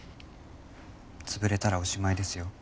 潰れたらおしまいですよ。